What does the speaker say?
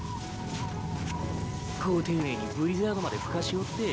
ご丁寧にブリザードまで吹かしおって。